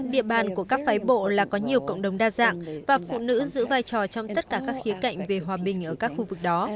địa bàn của các phái bộ là có nhiều cộng đồng đa dạng và phụ nữ giữ vai trò trong tất cả các khía cạnh về hòa bình ở các khu vực đó